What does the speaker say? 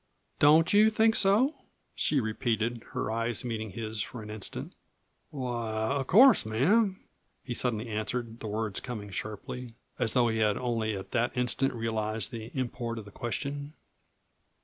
"Don't you think so?" she repeated, her eyes meeting his for an instant. "Why, of course, ma'am," he suddenly answered, the words coming sharply, as though he had only at that instant realized the import of the question.